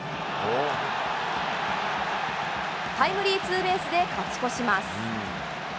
タイムリーツーベースで勝ち越します。